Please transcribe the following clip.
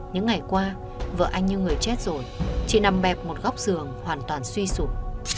những ngày qua vợ anh như người chết rồi chị nằm bẹp một góc giường hoàn toàn suy sụp